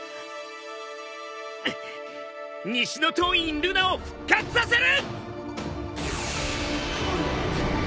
西洞院ルナを復活させる！